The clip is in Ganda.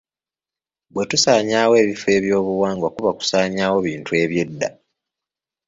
Bwe tusaanyawo ebifo byobuwangwa kuba kusaanyaawo ebintu eby'edda.